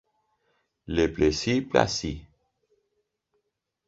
Le Plessis-Placy